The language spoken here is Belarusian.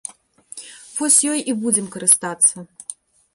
Вось ёй і будзем карыстацца.